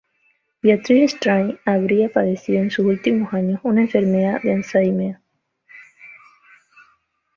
Beatrice Straight habría padecido en sus últimos años una enfermedad de Alzheimer.